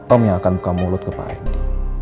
om yang akan buka mulut ke pak endi